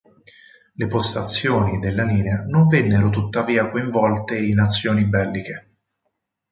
Le postazioni della linea non vennero tuttavia coinvolte in azioni belliche.